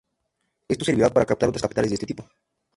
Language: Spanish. Esto servirá para captar otras capitales de este tipo.